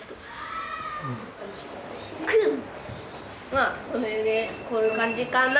まあこういう感じかな。